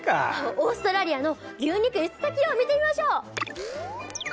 オーストラリアの牛肉輸出先を見てみましょう。